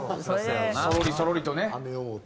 そろりそろりとね。